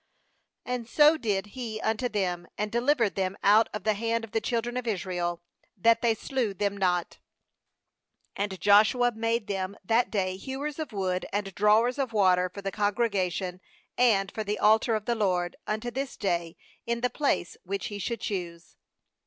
26And so did he unto them, and delivered them out of the hand of the children of Israel, that they slew them not. 27And Joshua made them that day hewers of wood and drawers of water for the congregation, and for the altar of the LORD, unto this day, in the place which He should choose.